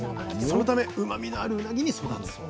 そのためうまみのあるうなぎに育つそうです。